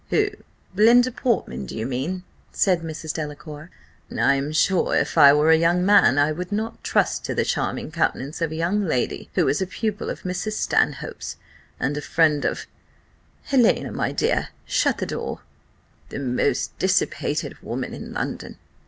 "Who? Belinda Portman, do you mean?" said Mrs. Delacour. "I am sure if I were a young man, I would not trust to the charming countenance of a young lady who is a pupil of Mrs. Stanhope's, and a friend of Helena, my dear, shut the door the most dissipated woman in London."